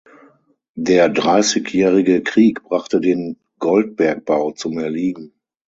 Der Dreißigjährige Krieg brachte den Goldbergbau zum Erliegen.